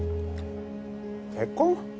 結婚？